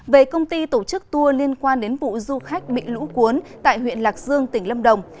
về công ty tổ chức tour liên quan đến vụ du khách bị lũ cuốn tại huyện lạc dương tỉnh lâm đồng